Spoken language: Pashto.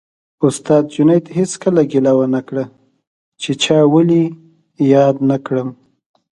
استاد جنید هېڅکله ګیله ونه کړه چې چا ولې یاد نه کړم